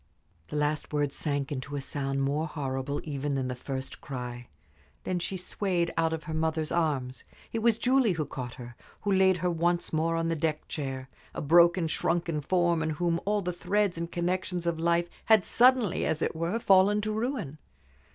The last word sank into a sound more horrible even than the first cry. Then she swayed out of her mother's arms. It was Julie who caught her, who laid her once more on the deck chair a broken, shrunken form, in whom all the threads and connections of life had suddenly, as it were, fallen to ruin.